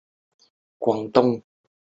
劳工处交通费支援计划